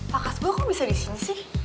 pak kasbu kok bisa disini sih